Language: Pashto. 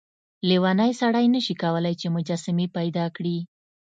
لیونی سړی نشي کولای چې مجسمې پیدا کړي.